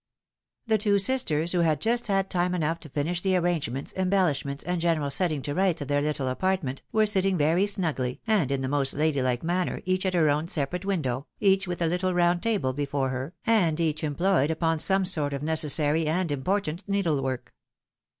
The two sisters, who had just had time enough to finish the arrangements, embellishments, and general setting to rights of their little apartment, were sitting very snugly, and in the most lady hke manner, each at her own separate window, each with a little round table before her, and each employed upon some sort of necessary and important needlework.